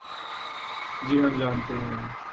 جی ہم جانتے ہیں۔